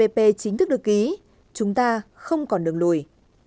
pp chính thức được ký chúng ta không còn đường lùi